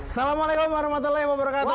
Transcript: assalamualaikum warahmatullahi wabarakatuh